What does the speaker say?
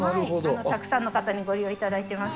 たくさんの方にご利用いただいております。